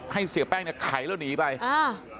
เสียแป้งเนี้ยไขแล้วหนีไปอ่า